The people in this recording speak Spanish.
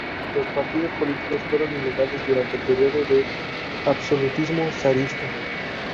Los partidos políticos fueron ilegales durante el período de absolutismo zarista.